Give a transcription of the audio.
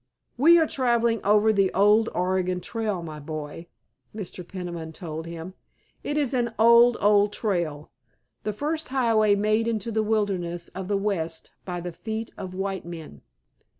"We are traveling over the old Oregon Trail, my boy," Mr. Peniman told him. "It is an old, old trail, the first highway made into the wilderness of the west by the feet of white men."